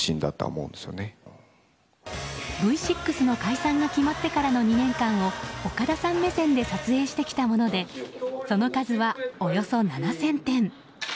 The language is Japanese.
Ｖ６の解散が決まってからの２年間を、岡田さん目線で撮影してきたものでその数はおよそ７０００点。